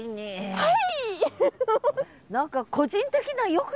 はい！